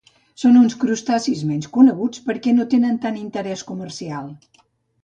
Són uns crustacis menys coneguts perquè no tenen tant interès comercial.